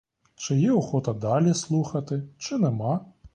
Чи є охота далі слухати, чи нема?